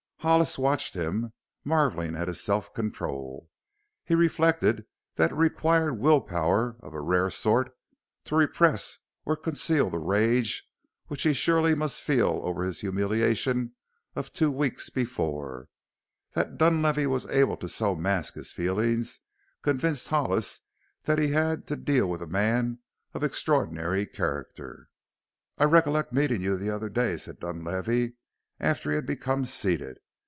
Hollis watched him, marveling at his self control. He reflected that it required will power of a rare sort to repress or conceal the rage which he surely must feel over his humiliation of two weeks before. That Dunlavey was able to so mask his feelings convinced Hollis that he had to deal with a man of extraordinary character. "I recollect meeting you the other day," said Dunlavey after he had become seated.